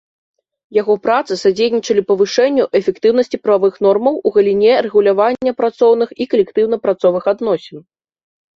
Яго працы садзейнічалі павышэнню эфектыўнасці прававых нормаў у галіне рэгулявання працоўных і калектыўна-працоўных адносін.